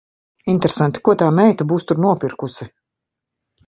Interesanti, ko tā meita būs tur nopirkusi.